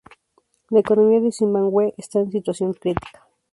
La economía de Zimbabwe está en situación crítica.